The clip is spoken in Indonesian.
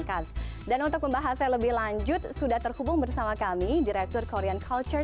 khas dan untuk membahasnya lebih lanjut sudah terhubung bersama kami direktur korean culture